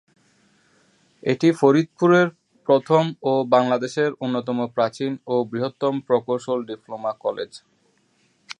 এটি ফরিদপুরের প্রথম ও বাংলাদেশের অন্যতম প্রাচীন ও বৃহত্তম প্রকৌশল ডিপ্লোমা কলেজ।